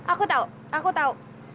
aku tau aku tau